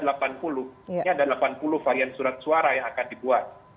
ini ada delapan puluh varian surat suara yang akan dibuat